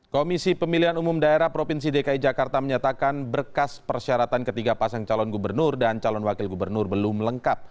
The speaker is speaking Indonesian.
komisi pemilihan umum daerah provinsi dki jakarta menyatakan berkas persyaratan ketiga pasang calon gubernur dan calon wakil gubernur belum lengkap